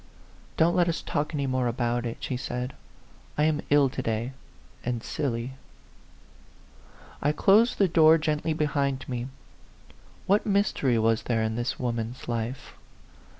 "Don't let us talk any more about it," she said. " I am ill to day, and silly." I closed the door gently behind me. What mystery was there in this woman's life